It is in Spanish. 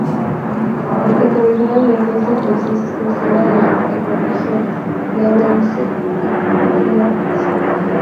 Ecorregionalmente esta especie es exclusiva de la ecorregión de agua dulce Iguazú.